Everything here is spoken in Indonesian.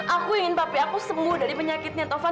aku ingin papi aku sembuh dari penyakitnya taufan